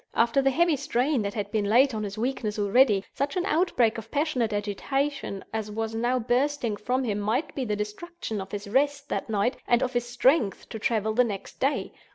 After the heavy strain that had been laid on his weakness already, such an outbreak of passionate agitation as was now bursting from him might be the destruction of his rest that night and of his strength to travel the next day.